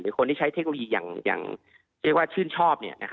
หรือคนที่ใช้เทคโนโลยีชื่นชอบ